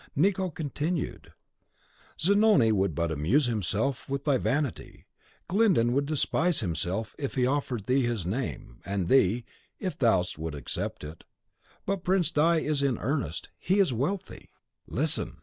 Nicot continued: "Zanoni would but amuse himself with thy vanity; Glyndon would despise himself, if he offered thee his name, and thee, if thou wouldst accept it; but the Prince di is in earnest, and he is wealthy. Listen!"